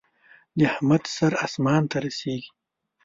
د احمد سر اسمان ته رسېږي.